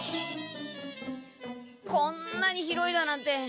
こんなに広いだなんて。